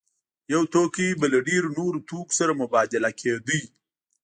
یو توکی به له ډېرو نورو توکو سره مبادله کېده